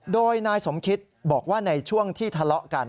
โดยนายสมคิตบอกว่าในช่วงที่ทะเลาะกัน